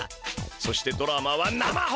そしてドラマは生放送！